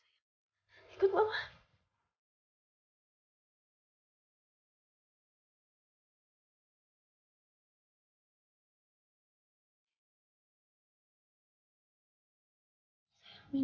mau percaya mas sama aku